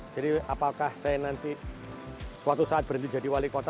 jadi apakah saya nanti suatu saat berhenti jadi wali kota